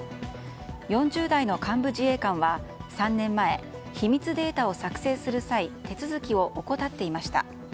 ４０代の幹部自衛官は３年前秘密データを作成する際手続きを怠っていました。